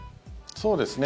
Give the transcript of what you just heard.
そうですね。